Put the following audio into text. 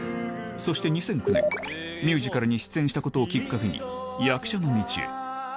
そして２００９年ミュージカルに出演したことをきっかけに役者の道へ